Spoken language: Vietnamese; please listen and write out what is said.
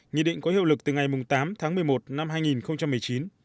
nghị định có hiệu lực từ ngày tám tháng một mươi một năm hai nghìn một mươi chín